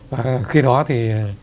và khi đó thì